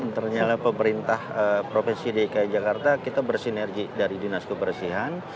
ternyata pemerintah provinsi dki jakarta kita bersinergi dari dinas kebersihan